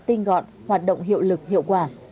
tinh gọn hoạt động hiệu lực hiệu quả